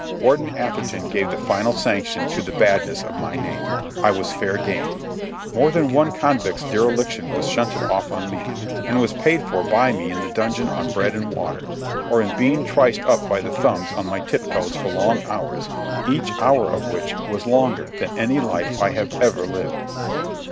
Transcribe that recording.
Warden Atherton gave the final sanction to the badness of my name. I was fair game. More than one convict's dereliction was shunted off on me, and was paid for by me in the dungeon on bread and water, or in being triced up by the thumbs on my tip toes for long hours, each hour of which was longer than any life I have ever lived.